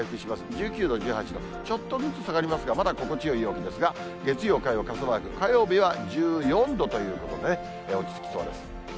１９度、１８度、ちょっとずつ下がりますが、まだ心地よい陽気ですが、月曜、火曜傘マーク、火曜日は１４度ということで落ち着きそうです。